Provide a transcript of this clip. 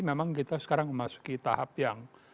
memang kita sekarang memasuki tahap yang